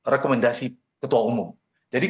rekomendasi ketua umum jadi